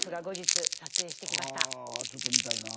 あちょっと見たいな。